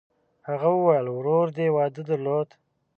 هغه وویل: «ورور دې واده درلود؟»